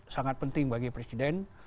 sangat penting bagi presiden